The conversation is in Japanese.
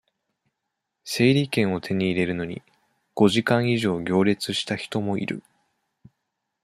整理券を手に入れるのに、五時間以上行列した人もいる。